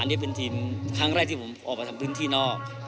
อันนี้เป็นทีมครั้งแรกที่ผมออกมาทำพื้นที่นอก